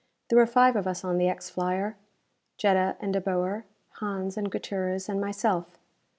There were five of us on the X flyer. Jetta and De Boer, Hans and Gutierrez and myself.